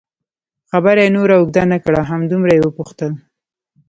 خبره یې نوره اوږده نه کړه، همدومره یې وپوښتل.